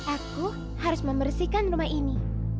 aku harus membersihkan rumah ini